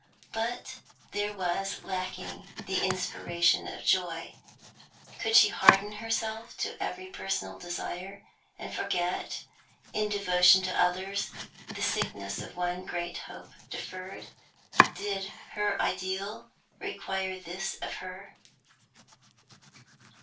But there was lacking the inspiration of joy. Could she harden herself to every personal desire, and forget, in devotion to others, the sickness of one great hope deferred? Did her ideal require this of her?